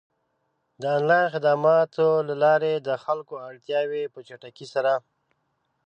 د آنلاین خدماتو له لارې د خلکو اړتیاوې په چټکۍ سره پ